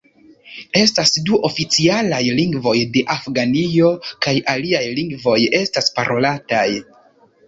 Estas du oficialaj lingvoj de Afganio, kaj aliaj lingvoj estas parolataj.